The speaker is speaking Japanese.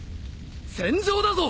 戦場だぞ！